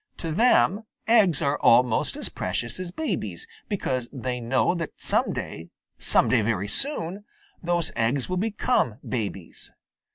To them eggs are almost as precious as babies, because they know that some day, some day very soon, those eggs will become babies.